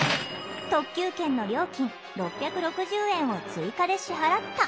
特急券の料金６６０円を追加で支払った。